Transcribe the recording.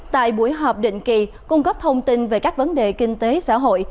tại buổi họp định kỳ cung cấp thông tin về các vấn đề kinh tế xã hội